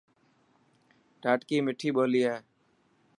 ڌاٽڪي مٺي ٻولي هي.